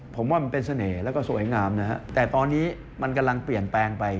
ผมว่ามันเป็นเสน่ห์แล้วก็สวยงามนะฮะแต่ตอนนี้มันกำลังเปลี่ยนแปลงไป